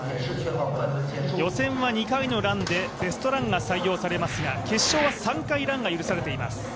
予選は２回のランでベストランが採用されますが決勝は３回ランが許されています。